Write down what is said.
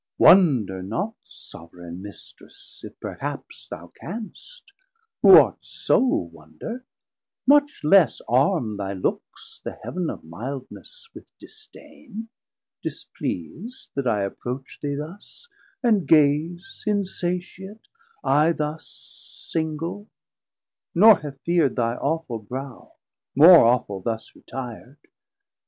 Wonder not, sovran Mistress, if perhaps Thou canst, who art sole Wonder, much less arm Thy looks, the Heav'n of mildness, with disdain, Displeas'd that I approach thee thus, and gaze Insatiate, I thus single; nor have feard Thy awful brow, more awful thus retir'd.